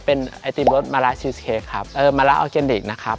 เป็นไอติมรสมะระชิสเค้กครับเออมะละออร์แกนิคนะครับ